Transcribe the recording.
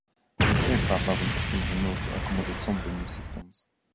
These aircraft have an extended nose to accommodate some of the new systems.